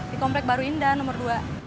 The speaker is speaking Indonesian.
di komplek baru indah nomor dua